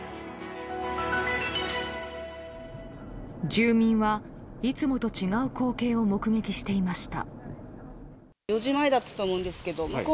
住民は、いつもと違う光景を目撃していました。